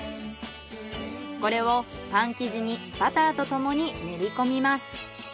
これをパン生地にバターとともに練りこみます。